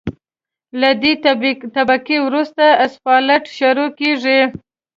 له دې طبقې وروسته اسفالټ شروع کیږي